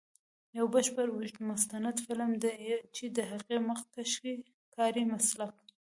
یو بشپړ اوږد مستند فلم، چې د هغې د مخکښ کاري مسلک.